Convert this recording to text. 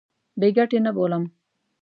بې ګټې نه بولم.